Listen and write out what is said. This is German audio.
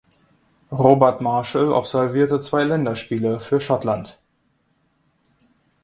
Robert Marshall absolvierte zwei Länderspiele für Schottland.